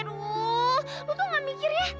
lu tuh enggak mikir ya